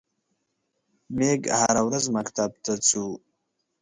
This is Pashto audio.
میږ هره ورځ مکتب ته څو.